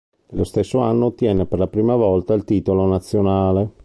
Nello stesso anno ottiene per la prima volta il titolo nazionale.